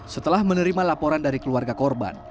setelah menerima laporan dari keluarga korban